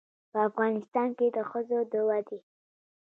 په افغانستان کې د ښځو د ودې